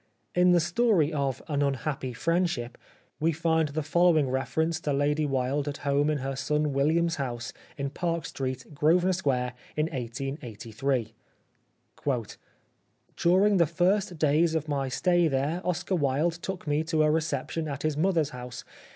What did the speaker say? In the story of " An Unhappy Friendship " we find the following reference to Lady Wilde at home in her son William's house in Park Street, Grosvenor Square, in 1883 :—" During the first days of my stay there Oscar Wilde took me to a reception at his mother's house.